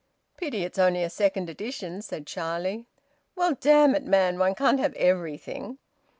"Pity it's only a second edition," said Charlie. "Well, damn it, man! One can't have everything."